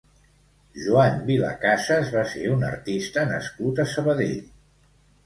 Joan Vilacasas va ser un artista nascut a Sabadell.